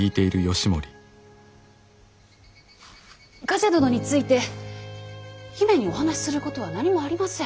冠者殿について姫にお話しすることは何もありません。